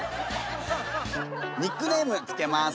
ニックネーム付けます。